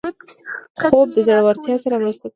خوب د زړورتیا سره مرسته کوي